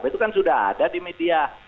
itu kan sudah ada di media